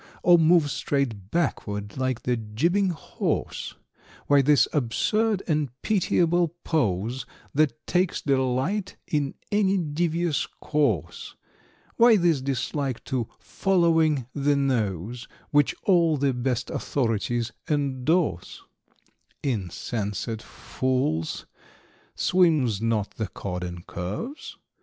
`Or move straight backward, like the jibbing Horse Why this absurd and pitiable pose `That takes delight in any devious course? Why this dislike to 'following the nose' `Which all the best authorities endorse?"= Insensate fools. Swims not the Cod in curves?